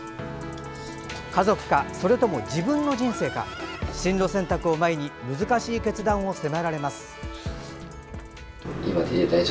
家族か、それとも自分の人生か進路選択を前に難しい決断を迫られます。